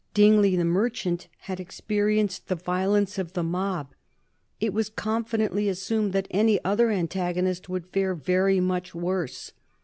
Dingley, the merchant, had experienced the violence of the mob; it was confidently assumed that any other antagonist would fare very much worse.